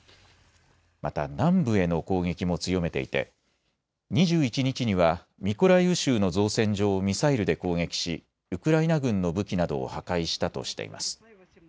また南部への攻撃も強めていて２１日にはミコライウ州の造船所をミサイルで攻撃しウクライナ軍の武器などを破壊したとしています。